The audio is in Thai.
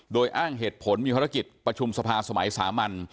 โดยอ้างเหตุผลมีภารกิจประชุมสภาสมัยสามัญ